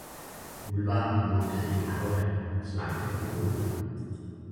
muldvarpen lugtede ikke havvand, så langt den kunne rode.